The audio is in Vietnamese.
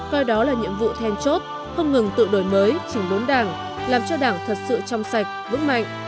coi đó là nhiệm vụ then chốt không ngừng tự đổi mới chỉnh đốn đảng làm cho đảng thật sự trong sạch vững mạnh